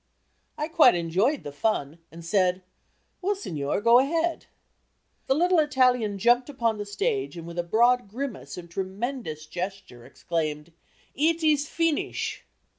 I quite enjoyed the fun and said, "Well, Signor, go ahead." The little Italian jumped upon the stage and with a broad grimace and tremendous gesture exclaimed "Eet is feenish!"